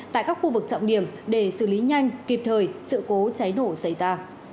tại các khu vực trọng điểm để xử lý nhanh kịp thời sự cố cháy nổ xảy ra